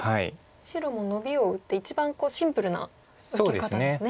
白もノビを打って一番シンプルな受け方ですね。